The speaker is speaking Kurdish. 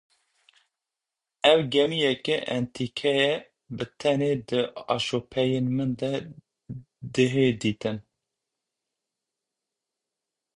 Ew gemîyeke entîkeye bi tinê di aşopeyên min de dihê dîtin